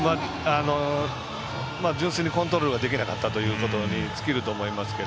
純粋にコントロールができなかったということに尽きると思います。